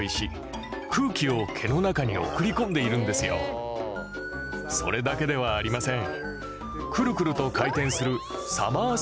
あれはそれだけではありません。